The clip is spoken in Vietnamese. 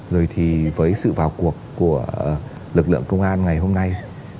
rồi thì với sự vào cuộc của lực lượng công an ngày hôm nay